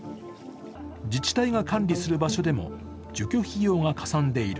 自治体が管理する場所でも除去費用がかさんでいる。